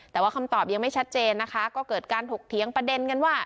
แต่ว่าคำตอบยังไม่ชัดเจนนะคะก็เกิดการถกเถียงประเด็นกันว่า